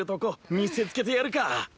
見せつけてやるかッ！